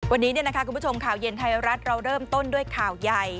วันนี้คุณผู้ชมข่าวเย็นไทยรัฐเราเริ่มต้นด้วยข่าวใหญ่